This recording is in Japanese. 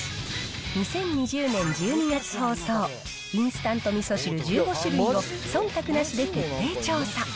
２０２０年１２月放送、インスタントみそ汁１５種類を、そんたくなしで徹底調査。